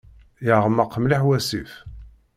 Yeɣmeq mliḥ wasif.